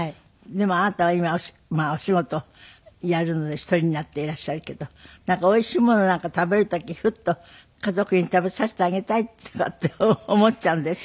でもあなたは今お仕事やるので１人になっていらっしゃるけどおいしいものなんか食べる時フッと家族に食べさせてあげたいとかって思っちゃうんですって？